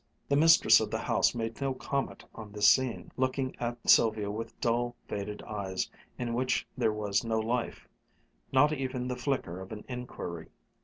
The mistress of the house made no comment on this scene, looking at Sylvia with dull, faded eyes in which there was no life, not even the flicker of an inquiry.